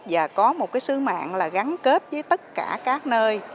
và có một sứ mạng gắn kết với tất cả các nơi